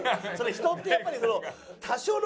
人ってやっぱりその。